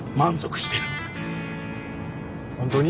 本当に？